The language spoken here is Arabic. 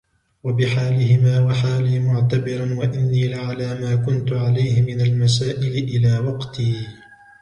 وَبِحَالِهِمَا وَحَالِي مُعْتَبِرًا وَإِنِّي لَعَلَى مَا كُنْت عَلَيْهِ مِنْ الْمَسَائِلِ إلَى وَقْتِي